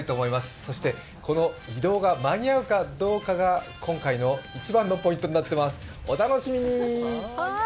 そしてこの移動が間に合うかどうかが今回の一番のポイントになってます、お楽しみに。